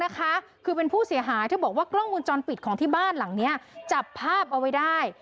เธอบอกว่ากล้องอุณจรปิดของที่บ้านหลังนี้จับภาพเอาไว้ได้